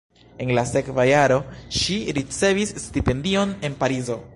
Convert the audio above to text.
En la sekva jaro ŝi ricevis stipendion en Parizo.